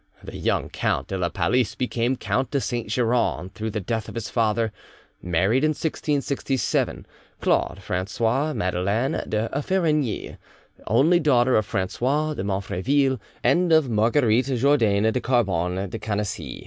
The young Count de la Palice became Count de Saint Geran through the death of his father, married, in 1667, Claude Francoise Madeleine de Farignies, only daughter of Francois de Monfreville and of Marguerite Jourdain de Carbone de Canisi.